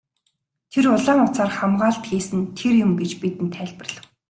Тэр улаан утсаар хамгаалалт хийсэн нь тэр юм гэж бидэнд тайлбарлав.